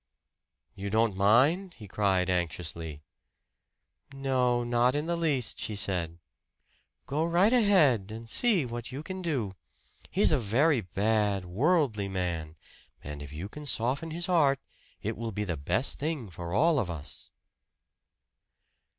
"You don't mind?" he cried anxiously. "No, not in the least," she said. "Go right ahead and see what you can do. He's a very bad, worldly man; and if you can soften his heart, it will be the best thing for all of us."